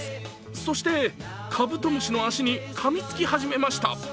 そして、カブトムシの足にかみつき始めました。